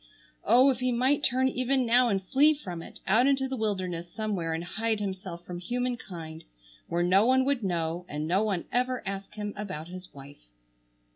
Oh, if he might turn even now and flee from it, out into the wilderness somewhere and hide himself from human kind, where no one would know, and no one ever ask him about his wife!